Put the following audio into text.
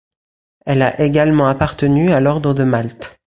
Elle a également appartenu à l'Ordre de Malte.